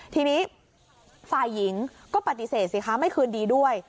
ทีนี้ฝ่ายหญิงก็ปฏิเสธสิคะไม่คืนดีด้วย